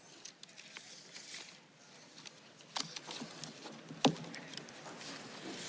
ออมสิน